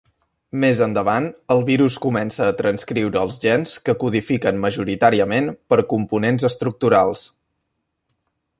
Més endavant, el virus comença a transcriure els gens que codifiquen majoritàriament per components estructurals.